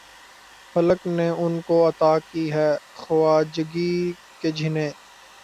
فلک نے ان کو عطا کی ہے خواجگی کہ جنھیں